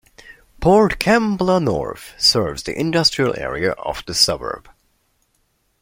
Port Kembla North serves the industrial area of the suburb.